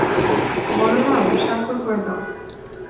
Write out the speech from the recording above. বলরাম, স্বাক্ষর করে দাও।